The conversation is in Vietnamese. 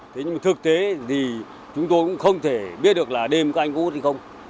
thực tế thì chúng tôi cũng không thể biết được là đêm có anh hút hay không